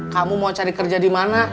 kamu mau cari kerja di mana